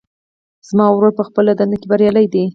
زما ورور په خپله دنده کې بریالۍ ده